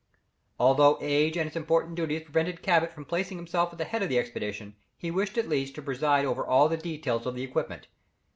Although age and his important duties prevented Cabot from placing himself at the head of the expedition, he wished at least, to preside over all the details of the equipment.